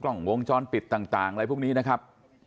กล้องวงจรปิดต่างอะไรพวกนี้นะครับ